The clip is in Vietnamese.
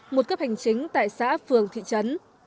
một cấp hành chính tại xã phường thị trấn